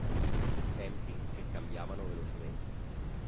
Tempi che cambiavano velocemente.